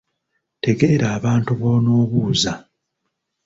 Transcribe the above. Tegeera abantu b’onoobuuza